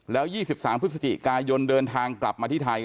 แล้ว๒๓พฤศจิกายนเดินทางกลับมาที่ไทย